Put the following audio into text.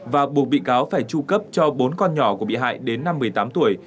và buộc bị cáo phải tru cấp cho bốn con nhỏ của bị hại đến năm một mươi tám tuổi